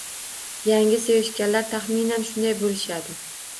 Yangi sevishganlar taxminan shunday bo'lishadi